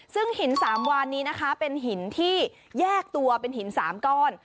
ซึ่งหิน๓วานนี้นะคะเป็นหินที่แยกตัวเป็นหิน๓ก้อน